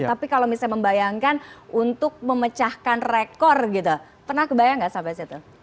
tapi kalau misalnya membayangkan untuk memecahkan rekor gitu pernah kebayang nggak sampai situ